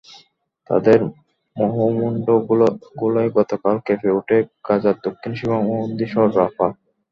তাদের মুহুর্মুহু গোলায় গতকাল কেঁপে ওঠে গাজার দক্ষিণ সীমান্তবর্তী শহর রাফা।